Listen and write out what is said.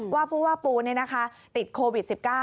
ว่าผู้ว่าปูติดโควิด๑๙